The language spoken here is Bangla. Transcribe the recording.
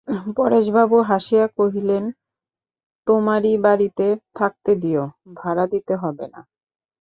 পরেশবাবু হাসিয়া কহিলেন, তোমারই বাড়িতে থাকতে দিয়ো, ভাড়া দিতে হবে না।